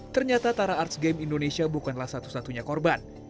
ternyata tara arts game indonesia bukanlah satu satunya korban